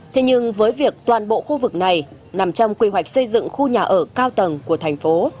thế nhưng với việc toàn bộ khu vực này nằm trong quy hoạch xây dựng khu nhà ở cao tầng của thành phố